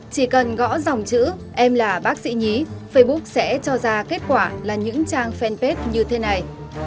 chỉ cần gõ dòng chữ em là bác sĩ nhí facebook sẽ cho ra kết quả là những trang fanpage như thế này